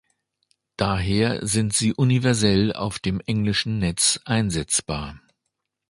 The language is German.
Daher sind sie universell auf dem englischen Netz einsetzbar.